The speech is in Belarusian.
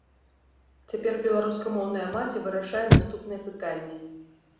Цяпер беларускамоўная маці вырашае наступныя пытанні.